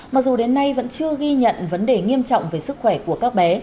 mặc dù đến nay vẫn chưa ghi nhận vấn đề nghiêm trọng về sức khỏe của các bé